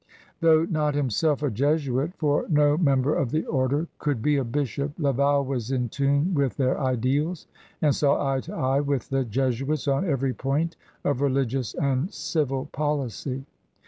Though not himself a Jesuit, for no member of the Order could be a bishop, Laval was in tune with their ideals and saw eye to eye with the Jesuits on every point of religious and civil policy.